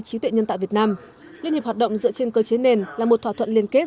trí tuệ nhân tạo việt nam liên hiệp hoạt động dựa trên cơ chế nền là một thỏa thuận liên kết